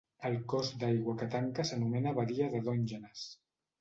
El cos d'aigua que tanca s'anomena badia de Dungeness.